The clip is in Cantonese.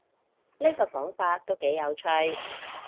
呢個講法都幾有趣